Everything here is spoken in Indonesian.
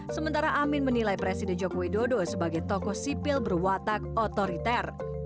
sementara amin menilai presiden joko widodo sebagai tokoh sipil berwatak otoriter